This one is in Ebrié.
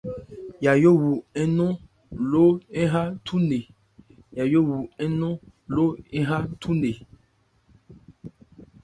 Yayó wu ńnɔ́n lóó ń ha nthu nne.